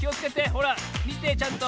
ほらみてちゃんと。